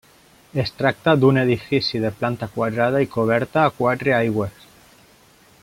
Es tracta d'un edifici de planta quadrada i coberta a quatre aigües.